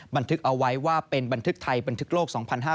บันทึกเอาไว้ว่าเป็นบันทึกไทยบันทึกโลก๒๕๕๙